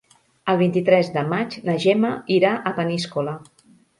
El vint-i-tres de maig na Gemma irà a Peníscola.